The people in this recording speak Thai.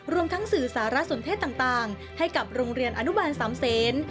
ทั้งสื่อสารสนเทศต่างให้กับโรงเรียนอนุบาลสามเซน